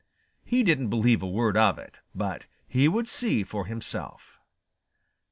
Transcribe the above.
He didn't believe a word of it, but he would see for himself.